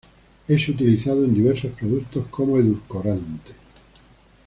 Es utilizado en diversos productos como edulcorante.